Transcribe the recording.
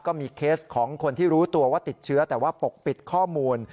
เคสของคนที่รู้ตัวว่าติดเชื้อแต่ว่าปกปิดข้อมูล